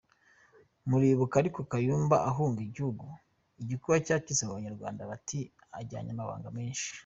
Muribuka ariko Kayumba ahunga igihugu igikuba cyacitse mu banyarwanda bati ajyanye amabanga menshi !